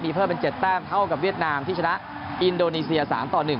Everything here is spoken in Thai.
เพิ่มเป็น๗แต้มเท่ากับเวียดนามที่ชนะอินโดนีเซีย๓ต่อ๑